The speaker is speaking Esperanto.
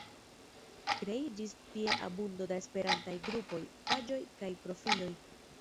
Kreiĝis tie abundo da Esperantaj grupoj, paĝoj kaj profiloj.